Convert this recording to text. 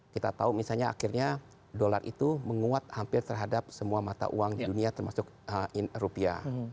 kita tahu misalnya akhirnya dolar itu menguat hampir terhadap semua mata uang dunia termasuk rupiah